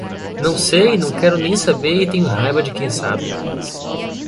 Não sei, não quero nem saber e tenho raiva de quem sabe